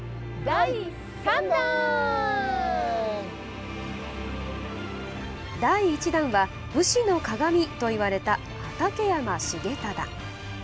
第１弾は武士のかがみと言われた畠山重忠。